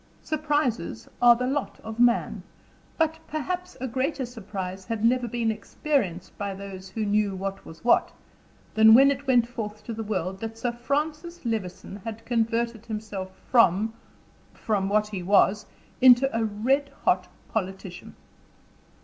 Surprises are the lot of man; but perhaps a greater surprise had never been experienced by those who knew what was what, than when it went forth to the world that Sir Francis Levison had converted himself from from what he was into a red hot politician.